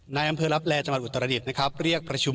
นายอำเผอร์รับแรจังหวัดอุตรฐรดิตนะครับเรียกประชุม